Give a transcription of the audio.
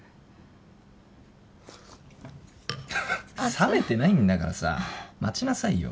冷めてないんだからさ待ちなさいよ。